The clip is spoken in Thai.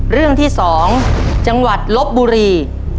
เรื่องที่๒จังหวัดลบบุรี